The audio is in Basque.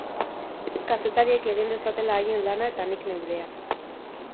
Kazetariek egin dezatela haien lana eta nik neurea.